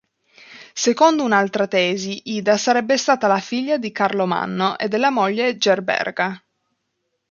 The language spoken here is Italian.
Secondo un'altra tesi Ida sarebbe stata la figlia di Carlomanno e della moglie Gerberga.